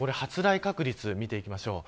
発雷確率見ていきましょう。